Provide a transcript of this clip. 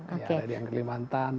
ada yang di kelimantan